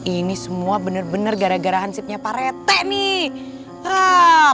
ini semua bener bener gara gara hansipnya pak rete nih